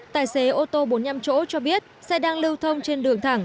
tài xế ô tô bốn mươi năm chỗ cho biết xe đang lưu thông trên đường thẳng